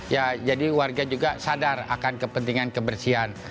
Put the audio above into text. ya jadi warga juga sadar akan kepentingan kebersihan